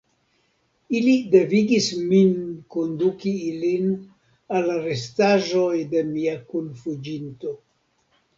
Ili devigis min konduki ilin al la restaĵoj de mia kunfuĝinto.